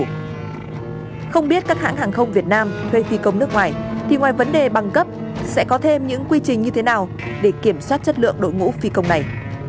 không biết các hãng hàng không việt nam thuê phi công nước ngoài thì ngoài vấn đề băng cấp sẽ có thêm những quy trình như thế nào để kiểm soát chất lượng đội ngũ phi công này